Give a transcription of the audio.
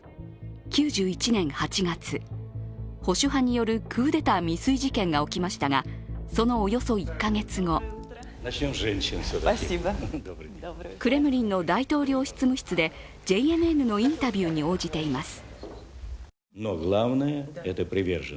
９１年８月、保守派によるクーデター未遂事件が起きましたが、そのおよそ１カ月後クレムリンの大統領執務室でＪＮＮのインタビューに応じています